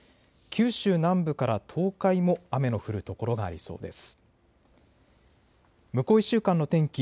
九州南部から東海も雨の降る所がありそうです。